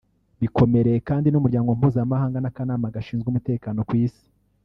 Bikomereye kandi n’Umuryango Mpuzamahanga n’Akanama Gashinzwe Umutekano ku Isi